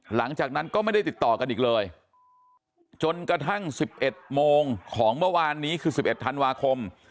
หลังจากนั้นก็ไม่ได้ติดต่อกันอีกเลยจนกระทั่ง๑๑โมงของเมื่อวานนี้คือ๑๑ธันวาคม